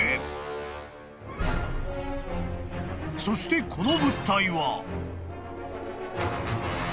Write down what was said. ［そしてこの物体は］